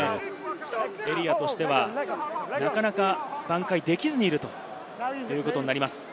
エリアとしては、なかなか挽回できずにいるということになります。